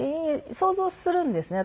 想像するんですね。